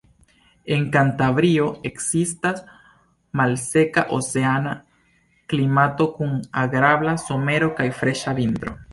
En Kantabrio ekzistas malseka oceana klimato kun agrabla somero kaj freŝa vintro.